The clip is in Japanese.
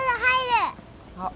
あっ。